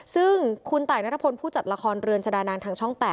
ซึ่งคุณตายนัทพลผู้จัดละครเรือนชะดานางทางช่อง๘